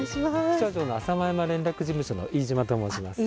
気象庁の浅間山連絡事務所の飯島と申します。